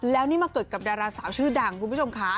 แล้วนี่มาเกิดกับดาราสาวชื่อดังคุณผู้ชมค่ะ